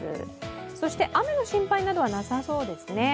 そして雨の心配などはなさそうですね。